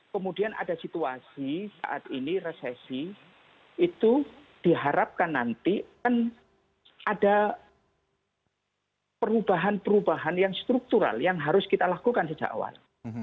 kemudian ada situasi saat ini resesi itu diharapkan nanti kan ada perubahan perubahan yang struktural yang harus kita lakukan sejak awal